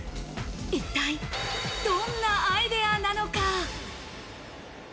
一体どんなアイデアなのか？